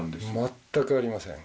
全くありません。